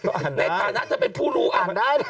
มีตัวอ่านได้อ่านได้